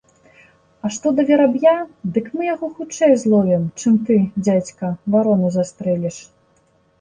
А што да вераб'я, дык мы яго хутчэй зловім, чым ты, дзядзька, варону застрэліш.